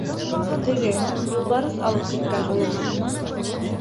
Теге... юлбарыҫ алып киткән улыңа...